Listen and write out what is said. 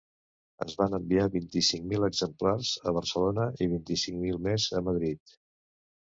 Es van enviar vint-i-cinc mil exemplars a Barcelona i vint-i-cinc mil més a Madrid.